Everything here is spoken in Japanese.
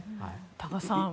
多賀さん